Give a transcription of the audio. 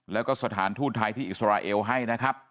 แล้วก็สถานทูตไทยที่อิสราเอลให้นะครับ